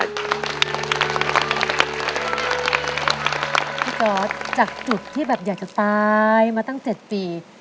พี่จอร์ดจากจุดที่แบบอยากจะตายมาตั้ง๗ปี